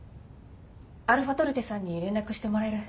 αトルテさんに連絡してもらえる？